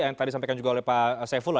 yang tadi sampaikan juga oleh pak saifullah